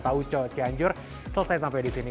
tauco cianjur selesai sampai di sini